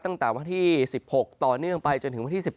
ตั้งแต่วันที่๑๖ต่อเนื่องไปจนถึงวันที่๑๘